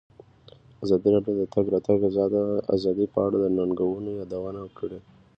ازادي راډیو د د تګ راتګ ازادي په اړه د ننګونو یادونه کړې.